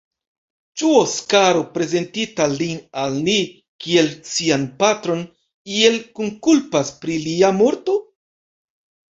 Ĉu Oskaro, prezentinta lin al ni, kiel sian patron, iel kunkulpas pri lia morto?